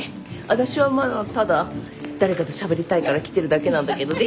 私はまぁただ誰かとしゃべりたいから来てるだけなんだけどね。